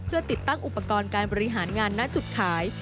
เพื่อติดตั้งอุปกรณ์การบริหารงานณจุดขาย